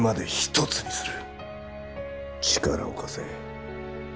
力を貸せ。